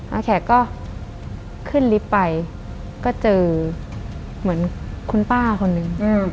แขกก็ขึ้นลิฟต์ไปก็เจอเหมือนคุณป้าคนนึง